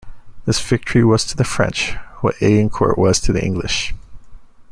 This victory was to the French what Agincourt was to the English.